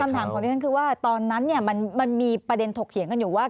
คำถามของที่ฉันคือว่าตอนนั้นมันมีประเด็นถกเถียงกันอยู่ว่า